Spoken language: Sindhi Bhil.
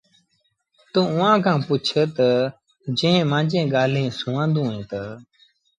توٚنٚ اُئآݩٚ کآݩ پُڇ تا جنٚهنٚ مآݩجيٚ ڳآليٚنٚ سُوآندونٚ تا